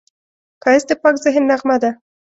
ښایست د پاک ذهن نغمه ده